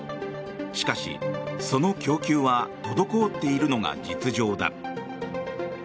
しかし、その供給は滞っているのが実情だ。